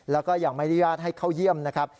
แล้วก็ยังไม่อนุญาตให้เข้าเยี่ยมนะครับ